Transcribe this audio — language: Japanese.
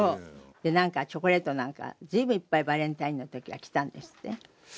でなんかチョコレートなんか随分いっぱいバレンタインの時はきたんですって？